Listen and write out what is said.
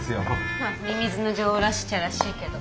まあ「みみずの女王」らしいっちゃらしいけど。